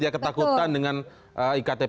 ya ketakutan dengan iktp enam